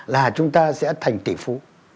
là chúng ta sẽ thành tỷ phú